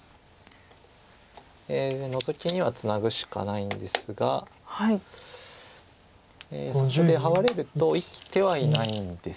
ノゾキにはツナぐしかないんですがそこでハワれると生きてはいないんです。